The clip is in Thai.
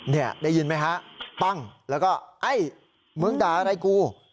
นี่ได้ยินไหมฮะปั้งแล้วก็ไอ้มึงด่าอะไรกู